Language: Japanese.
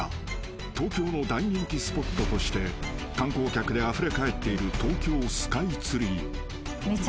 ［東京の大人気スポットとして観光客であふれかえっている東京スカイツリー］